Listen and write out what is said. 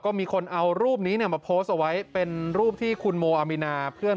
ก็มีคนเอารูปนี้มาโพสต์เอาไว้เป็นรูปที่คุณโมอามินาเพื่อน